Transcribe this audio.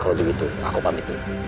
kalau begitu aku pamit